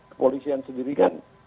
kepolisian sendiri kan